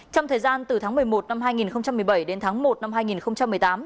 trong thời gian từ tháng một mươi một năm hai nghìn một mươi bảy đến tháng một năm hai nghìn một mươi tám